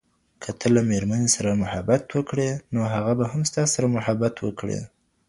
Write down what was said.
که ته له ميرمني سره محبت وکړې، نو هغه به هم ستاسره محبت وکړي